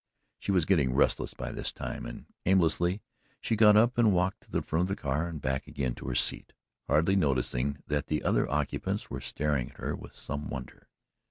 She was getting restless by this time and aimlessly she got up and walked to the front of the car and back again to her seat, hardly noticing that the other occupants were staring at her with some wonder.